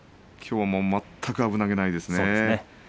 きょうは全く危なげがないですね。